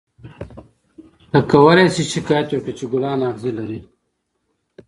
ته کولای شې شکایت وکړې چې ګلان اغزي لري.